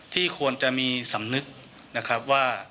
ควรจะมีสำนึกนะครับว่า